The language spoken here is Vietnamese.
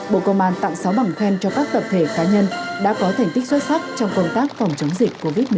bộ công an tặng sáu bằng khen cho các tập thể cá nhân đã có thành tích xuất sắc trong công tác phòng chống dịch covid một mươi chín